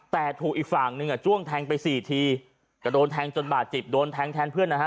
แต่ถูกอีกฝั่งหนึ่งอ่ะจ้วงแทงไปสี่ทีก็โดนแทงจนบาดเจ็บโดนแทงแทนเพื่อนนะฮะ